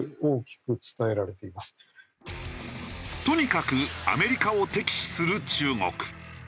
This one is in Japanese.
とにかくアメリカを敵視する中国。